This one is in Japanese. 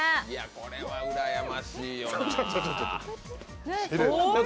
これはうらやましいよな。